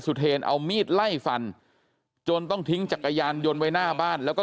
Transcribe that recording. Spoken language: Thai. เทรนเอามีดไล่ฟันจนต้องทิ้งจักรยานยนต์ไว้หน้าบ้านแล้วก็